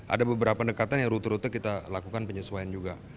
ada beberapa pendekatan yang rute rute kita lakukan penyesuaian juga